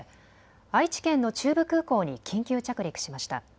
愛知県の中部空港に緊急着陸しました。